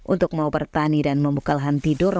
untuk mau bertani dan membuka lahan tidur